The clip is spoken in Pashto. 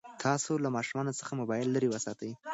تاسو له ماشومانو څخه موبایل لرې وساتئ.